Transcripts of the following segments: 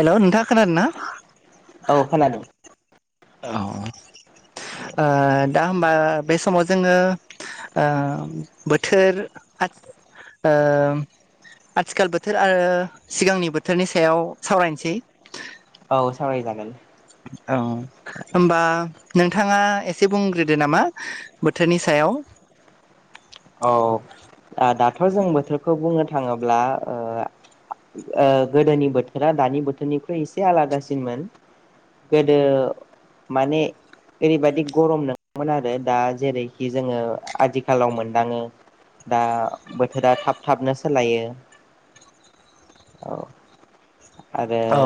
Hello नोंथां खोनादोना औ खोनादों औ ओ दा होमबा बे समाव जोङो ओ बोथोर ओ आथिखाल बोथोर आरो सिगांनि बोथोरनि सायाव सावरायनोसै औ सावराय जागोन औ होनबा नोंथाङा एसे बुंग्रोदो नामा बोथोरनि सायाव [inaudible] औ दाथ' जों बोथोरखौ बुंनो थाङोब्ला ओ ओ गोदोनि बोथोरा दानि बोथोरनिख्रुइ एसे आलादासिनमोन गोदो माने ओरैबायादि गरम नङोमोन आरो दा जेरैखि जोङो आथिखालाव मोन दाङो दा बोथोरा थाब थाबनो सोलायो औ [inaudible] आरो औ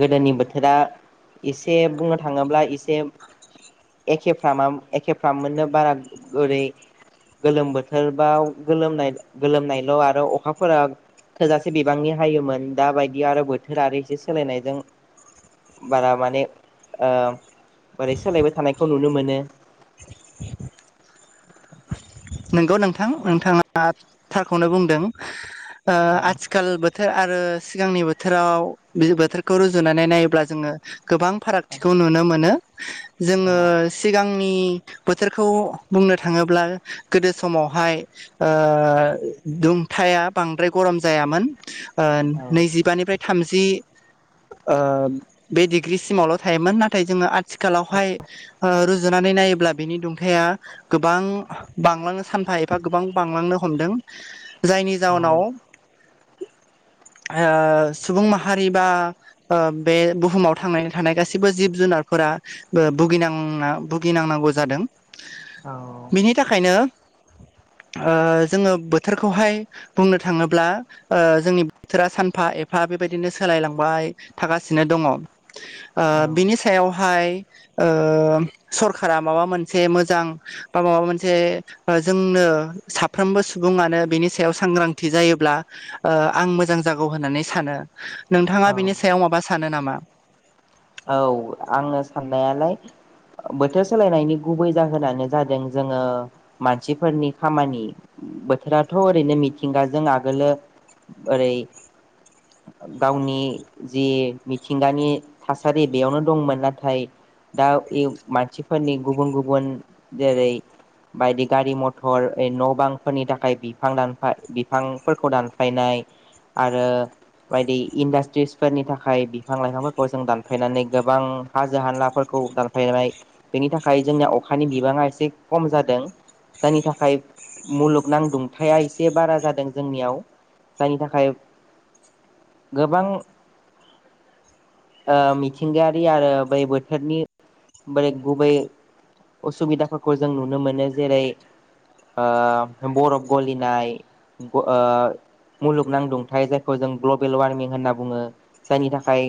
गोदोनि बोथोरा एसे बुंनो थाङोब्ला एसे एखेफ्रामा एखेफ्रामोननो बारा ओरै गोलोम बोथोर बा गोलोमनाय गोलोमनायल' आरो अखाफोरा थोजासे बिबांनि हायोमोन दााबायदि आरो बोथोर आरो एसे सोलायनायजों बारा माने ओ बोरै सोलायबाय थानायखौ नुनो मोनो [inaudible] नंगौ नोंथां नोंथाङा थारखौनो बुंदों ओ औ आथिखाल बोथोर आरो सिगांनि बोथोराव बोथोरखौ रुजुनानै नायोब्ला जोङो गोबां फारागथिखौ नुनो मोनो। जोङो औ सिगांनि बोथोरखौ बुंनो थाङोब्ला गोदो समावहाय ओ दुंथाया बांद्राय गरम जायामोन। ओ औ नैजिबानिफ्राय थामजि ओ बे डिग्रि सिमावल' थायोमोन नाथाय जोङो आथिखालावहाय ओ रुजुनानै नाय योब्ला बिनि दुंथाया गोबां बांलांनो सानफा एफा गोबां बांलांनो हमदों जायनि जाउनाव [inaudible] ओ सुबुं माहारि बा ओ बे बुहुमाव थांनानै थानाय गासिबो जिब जुनार फोरा ओ भुगिनांना भुगिनांनांगौ जादों। औ नो ओ जोङो बोथोरखौहाय बुंनो थाङोब्ला ओ जोंनि बोथोरा सानफा एफा बेबायदिनो सोलायलांबाय थागासिनो दङ ओ बेनि सायावहाय ओ सरखारा माबा मोनसे मोजां बा माबा मोन से ओ जोंनो साफ्रोमबो सुबुङानो बिनि सायाव सांग्रांथि जायोब्ला ओ ओ आं मोजां जागौ होननानै सानो नोंथाङा औ बिनि सायाव माबा सानो नामा? औ आङो साननायालाय बोथोर सोलायनायनि गुबै जाहोनानो जादों जोङो मानथिफोरनि खामानि बोथोराथ ओरैनो मिथिंगाजों आगोलो ओरै गावनि जि मिथिंगानि थासारि बेयावनो दंमोन नाथाय दा इ मानसिफोरनि गुबुन गुबुन जेरै बायदि गारि मथर ओ न बांफोरनि थाखाय बिफां दानफा बिफांफोरखौ दानफायनाय आरो बायदि इन्डास्ट्रिसफोरनि थाखाय बिफां लाइफां खौ जों दानफायनानै गोबां हाजो हाननाफोरखौ दानफायनाय बेनि थाखाय जोंनिया अखानि बिबां ङा एसे खम जादों। जायनि थाखाय मुलुगनां दुंथाया एसे बारा जादों जोंनियाव जायनि थाखाय गोबां ओ मिथिंगायारि आरो बै बोथोरनि बोरै गुबै असुबिदाफोरखौ जों नुनो मोनो जेरै ओ बरफ गलिनाय ओ मुलुगनां दुंथाय जायखौ जों ग्लबेल वार्मिं होनना बुङो जायनि थाखाय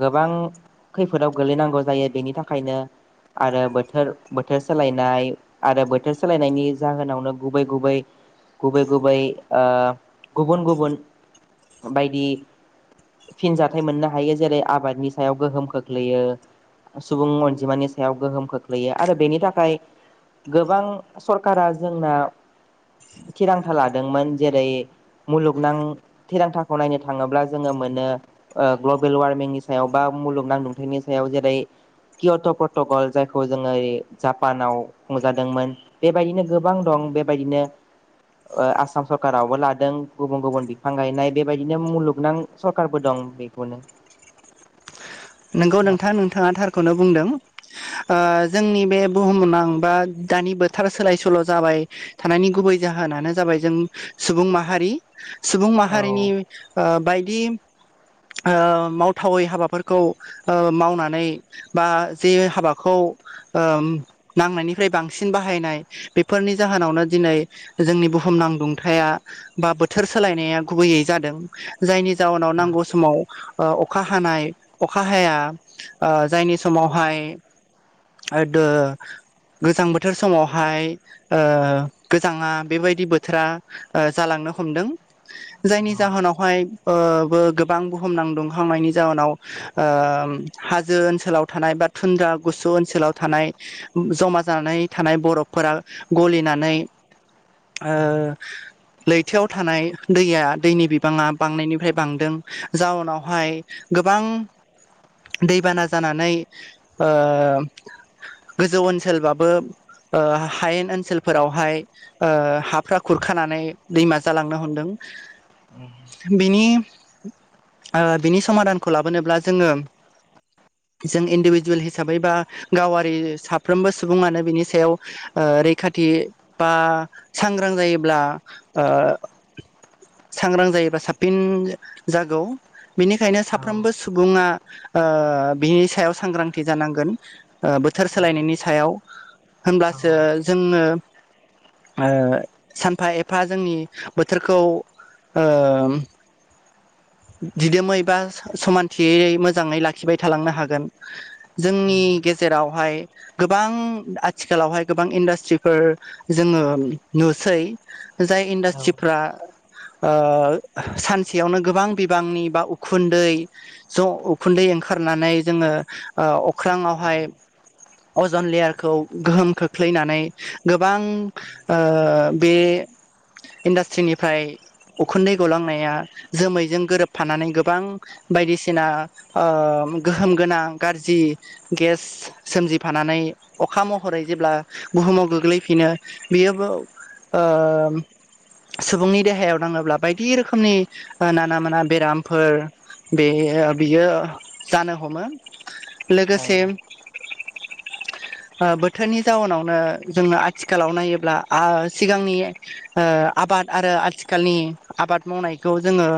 गोबां खैफोदाव गोलैनांगौ जायो बेनि थाखायनो आरो बोथोर बोथोर सोलायनाय आरो बोथोर सोलायनायनि जाहोनावनो गुबै गुबै गुबै गुबै ओ गुबुन गुबुन बायदि फिनजा थाय मोननो हायो जेरै आबादनि सायाव गोहोम खोख्लैयो। सुबुं अनजिमानि सायाव गोहोम खोख्लैयो आरो बेनि थाखाय गोबां सरखारा जोंना थिरांथा लादोंमोन जेरै मुलुगनां थिरांथाखौ नायनो थाङोब्ला जोङो मोनो ओ ग्लबेल वार्मिंनि सायाव बा मुलुगनां दुंथायनि सायाव जेरै कियट प्रटगल जायखौ जोङो जापानाव खुंजादोंमोन बेबायदिनो गोबां दं। बेबायदिनो ओ आसाम सरकारावबो लादों गुबुन गुबुन बिफां गायनाय बेबायदिनो मुलुगनां सरखारबो दं। बेखौनो नोंगौ नोंथां नोंथाङा थार खौनो बुंदों ओ जोंनि बे बुहुमनां बा दानि बोथोर सोलाय सोल जाबाय। बाय थानायनि गुबै जाहोनानो जाबाय जों सुबुं माहारि सुबुं औ माहारिनि ओ बायदि ओ मावथावै हाबाफोर खौ ओ मावनानै बा जे हाबाखौ ओ नांनायनिफ्राय बांसिन बाहायनाय बेफोरनि जाहोनावनो दिनै जोंनि बुहुमनां दुंथाया बा बोद बोथोर सोलायनाया गुबैयै जादों जायनि जाउनाव औ नांगौ समाव ओ अखा हानाय अखा हाया ओ जायनि समावहाय ओ दो गोजां बोथोर समावहाय ओ गोजाङा बेबायदि बोथोरा ओ जालां नो हमदों जायनि जाहोनावहाय ओ बो गोबां बुहुमनां दुंहावनायनि जाहोनाव ओ हाजो ओनसोलाव थानाय बा थुन्द्रा गुसु ओनसोलाव थानाय [unintelligible] जमा जानानै थानाय बर'फोरा गलिनानै ओ लैथोआव थानाय दैया दैनि बिबाङा बांनायनिफ्राय बांदों जाउनावहाय गोब गोबां दैबाना जानानै ओ गोजौ ओनसोलबाबो ओ हायेन ओनसोलफोरावहाय ओ हाफ्रा खुरखानानै दैमा जालांनो हमदों बिनि ओ बिनि समादान खौ लाबोनोब्ला जोङो जों इन्दिभिजुयेल हिसाबै बा गावारि साफ्रोमबो सुबुङानो बिनि सायाव ओ रैखाथि [unintelligible] बा सांग्रां जायोब्ला ओ सांग्रां जायोबा साबफिन जागौ बिनिखायनो साब साफ्रोमबो सुबुङा ओ बिनि सायाव सांग्रांथि जानांगोन ओ बोथोर सोलायनायनि सायाव औ होनब्लासो जोङो ओ सानफा एफा जोंनि बोथोरखौ ओ दिदोमै बा समानथियै मोजाङै लाखिबाय थालांनो हागोन जोंनि गेजेरावहाय गोबां आथिखालावहाय गोबां इन्डास्ट्रिफोर जोङो नुसै जाय औ औ इन्डास्ट्रिफ्रा ओ सानसेयावनो गोबां बिबांनि बा उखुन दै ज उखुन्दै ओंखारनानै जोङो ओ अख्रांयावहाय औ अजन लेयारखौ गोहोम खोख्लैनानै गोबां ओ बे [inaudible] इन्डास्ट्रिनिफ्राय उखुन्दै गलांनाया जोमैजों गोरोबफानानै गोबां बायदिसिना ओ गोहोम गोनां गारजि गेस सोमजिफाना [unintelligible] अखा महरै जेब्ला बुहुमाव गोग्लैफिनो बियोबो ओम सुबुंनि देहायाव नाङोब्ला बायदि रोखोमनि ओ नाना माना बेरामफोर बेयो बियो जानो हमो लोगोसे [inaudible] ओ बोथोरनि जाउनावनो जोङो आथिखालाव नायोब्ला आ सिगांनि ओ आबाद आरो आथिखालनि आबाद मावनायखौ जोङो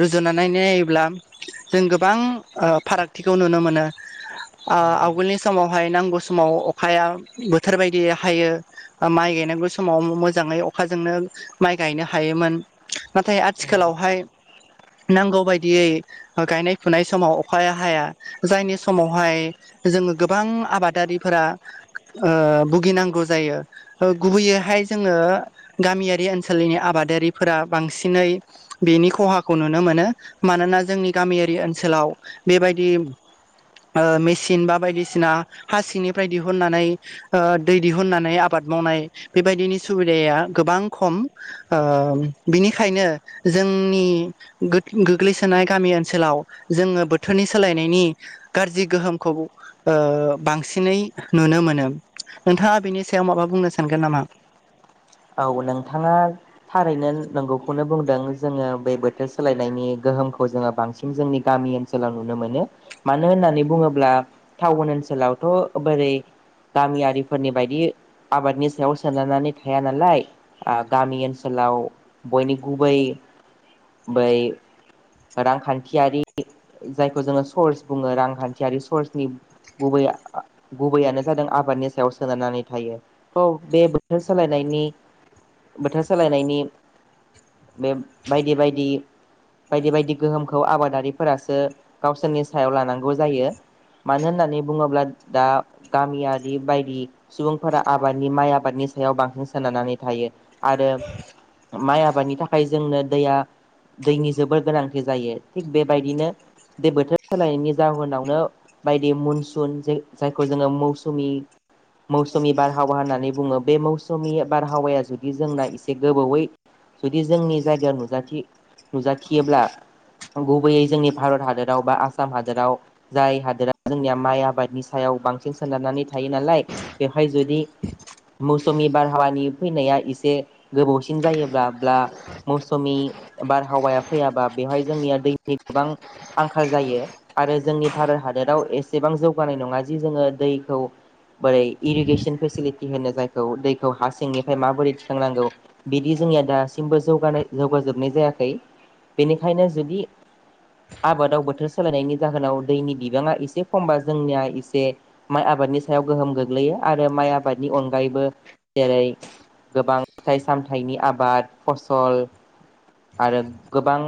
रुजुनानै नायोब्ला जों गोबां ओ फारागथिखौ नुनो मोनो। ओ आवगोलनि समावहाय नांगौ समाव अखाया बोथोर बायदि हायो ओ माइ गायनांगौ समाव मोजाङै अखाजोंनो माइ गायनो हायोमोन नाथाय आथिखालावहाय नांगौ बायदियै गायनाय फुनाय समाव अखाया हाया जायनि समावहाय जों गोबां आबादारिफोरा ओ भुगिनांगौ जायो ओ गुबैयैहाय जोङो गामियारि ओनसोलनि आबाद आबादारिफोरा बांसिनै बेनि खहाखौनो नुनो मोनो मानोना जोंनि गामियारि ओनसोलाव बेबायदि ओ मेसिन बा बायदिसिना हा सिंनिफाय दिहुननानै ओ दै दिहुननानै आबाद मावनाय बेबायदिनि सुबिदाया गोबां खम ओ बिनिखायनो जो [unintelligible] नि गोद गोग्लैसोनाय गामि ओनसोलाव जोङो बोथोरनि सोलायनायनि गारजि गोहोमखौ ओ बांसिनै नुनो मोनो नोंथाङा बेनि सायाव माबा बुंनो सानगोन नामा औ नोंथाङा थारैनो नोंगौखौनो बुंदों जोङो बे बोथोर सोलायनायनि [inaudible] जोङो बांसिन जोंनि गाम ओनाव ननो मोन मानो होननानै बुङोब्ला टाउन ओन ओनसोलावथ' बोरै गामियारिफोरनि बायदि आबादनि सायाव सोनारनानै थाया नालाय ओ गामि ओनसोलाव बयनि गुबै बै रांखान्थियारि जायखौ जोङो सर्स बुङो रांखान्थियारि सर्सनि गुबैया गुबैयानो जादों आबादनि सायाव सोनारनानै थायो थ' बे बोथोर ब सोलायनायनि बोथोर सोलायनायनि बे बायदि बायदि बायदि बायदि गोहोमखौ आबादारिफोरासो गावसोरनि सायाव लानांगौ जायो मानो होननानै बुङोब्ला दा गामियारि बायदि सुबुंफोरा आबादनि माइ आबादनि सायाव बांसिन सोनारनानै थायो आरो माइ आबादनि थाखाय जोंनो दैया दैनि जोबोर गोनांथि जायो थिग बेबायदिनो दै बोथोर सोलायनायनि जाहोनावनो बायदि मनसुन जायखौ जोङो मौसुमि मौसुमि बारहावा होननानै बुङो बे मौसुमि बारहावाया जुदि जोंना एसे गोबावै जुदि जोंनि जायगायाव नुजाथि नुजाथियोब्ला गुबैयै जोंनि भारत हादोराव बा आसाम हादोराव जाय हादोरा जोंनिया माइ आबादनि सायाव बांसिन सोनारनानै थायो नालाय बेवहाय जुदि [unintelligible] मौसमि बारहावानि फैनाया एसे गोबावसिन जायोब्लाब्ला मौसमि बारहावाया फैयाबा बेवहाय जोंनिया दैनि गोबां आंखाल जायो आरो जोंनि भारत हादर जेराव एसेबां जौनाय नङा जि दैखौ बोरै इरिगेसन फेसिलिति होनोलाय खौ दैखौ हा सिंनिफ्राय माबोरै थिखांनांगौ बिदि जोंनिया दासिमबो जौगानाय जौगाजोबनाय जाया खै बेनिखायनो जुदि आबादाव बोथोर सोलायनायनि जाहोनाव दैनि बिबाङा एसे खमबा जोंनिया एसे माइ आबादनि सायाव गोहोम गोग्लैयो आरो माइ आबादनि अनगायैबो जेरै गोबां फिथाइ सामथाइनि आबाद फसल आरो गोबां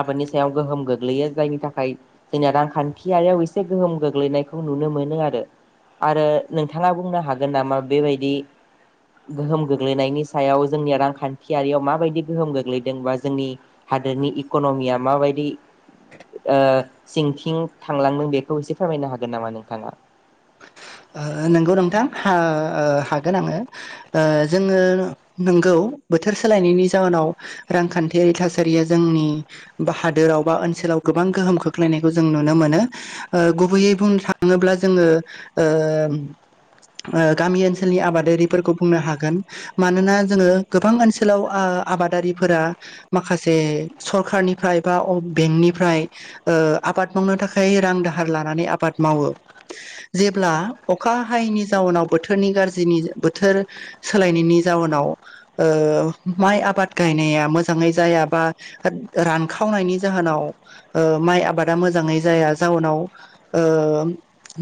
आबादनि सायाव गोहोम गोग्लैयो जायनि थाखाय जोंनि रांखान्थियारियाव एसे गोहोम गोग्लैनायखौ नुनो मोनो आरो आरो नोंथाङा बुंनो हागोन नामा बेबायदि गोहोम गोग्लैनायनि सायाव जोंनि रांखान्थियारियाव माबायदि गोहोम गोग्लैदोंबा जोंनि हादोरनि इक'नमिया माबायदि ओ सिंथिं थांलांदों बेखौ एसे फोरमायनो हागोन नामा नोंथाङा ओ नोंगौ नोंथां हा हागोन आङो जोङो नोंगौ बोथोर सोलायनायनि जाहोनाव रांखान्थियारि थासारिया जोंनि हादोराव बा ओनसोलाव गोबां गोहोम खोख्लैनायखौ जों नुनो मोनो गुबैयै बुंनो थाङोब्ला जोङो ओ ओ गामि ओनसोलनि आबादारिफोरखौ बुंनो हागोन मानोना जोङो गोबां ओनसोलाव ओ आबादारिफोरा माखासे सरखारनिफ्राय बा बेंकनिफ्राय आबाद मावनो थाखाय रां दाहार लानानै आबाद मावो जेब्ला अखा हायैनि जाउनाव बोथोरनि गाज्रिनि बोथोर सोलायनायनि जाउनाव ओ माइ आबाद गायनाया मोजाङै जाय बा रानखावनायनि जाह जावनाव माइ आबादा मोजाङै जाया जाहोनाव ओ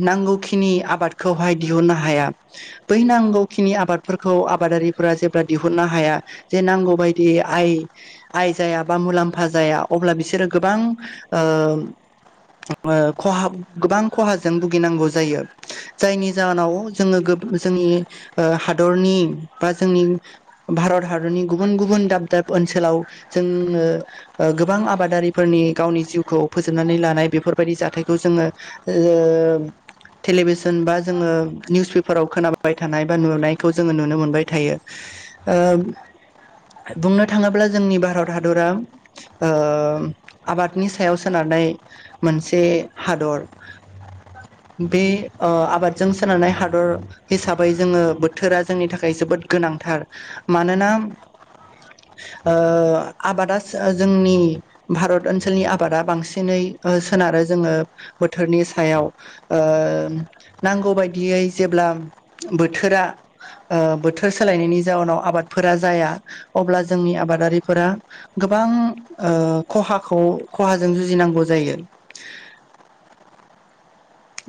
नांगौ नि आबादखौहाय दिहुननो हाया बै नांगौखिनि आबादफोरखौ आबादारिफोरा जेब्ला दिहुननो हाया जे नांगौ बायदि आइ आइ जाया बा मुलाम्फा जाया अब्ला बिसोर गोबां ओ खहा गोबां खहाजों भुिनांगौ जायो जायनि जाहोनाव जोङो जोंनि हादरनि बा जोंनि भारत हादरनि गुबुन गुबुन दाब दाब ओनसोलाव जोङो ओ गोबां आबाद आरिफोरनि गावनि जिउखौ फोजोबनानै लानाय बेफोरबायदि जाथायखौ जोङो ओ टेलिभिसन बा जोङो निउस पेपाराव खोनाबाय थानाय बा नुनायखौ जोङो नुनो मोनबाय थायो ओ बुंनो थाङोब्ला जोंनि भारत हादरा ओ आबादनि सायाव सोनार नाय मोनसे हादर बे ओ आबादजों सोनारनाय हादर हिसाबै जोङो बोथोरा जोंनि थाखाय जोबोद गोनांथार मानोना ओ आबादा जोंनि भारत ओनसोलनि आबादा बांसिनै सोनारो जोङो बोथोरनि सायाव ओ नांगौ बायदियै जेब्ला बोथोरा ओ बोथोर सो लायनायनि जाउनाव आबादफोरा जाया अब्ला जोंनि आबादारिफोरा गोबां ओ ओ खहाखौ खहाजों जुजिनांगौ जायो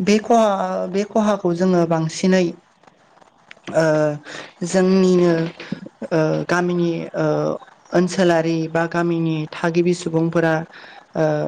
बे खहा बे खहाखौ जोङो बांसिनै ओ जोंनिनो ओ गामिनि ओ ओनसोल ओनसोलारि बा गामिनि थागिबि सुबुंफोरा ओ